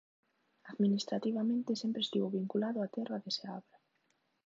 Administrativamente sempre estivo vinculado á terra de Seabra.